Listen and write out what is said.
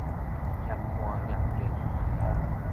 嫌肝嫌胘